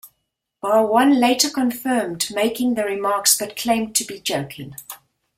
Barone later confirmed making the remarks but claimed to be joking.